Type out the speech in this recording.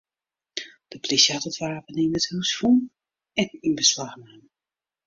De plysje hat it wapen yn it hús fûn en yn beslach naam.